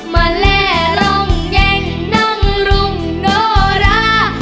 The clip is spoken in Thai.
มาและรองเย็นนางรุงโนรา